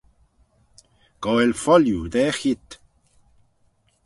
Goaill foilliu daa cheayrt!